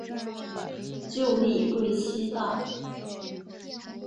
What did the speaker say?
旧隶贵西道。